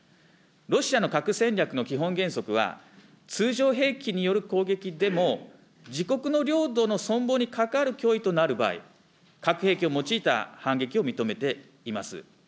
ロシアの核戦略の基本原則は、通常兵器による攻撃でも、自国の領土の存亡に関わる脅威となる場合、核兵器を用いた反撃を認めています。